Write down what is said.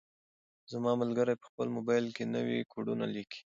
زما ملګری په خپل موبایل کې نوي کوډونه لیکي.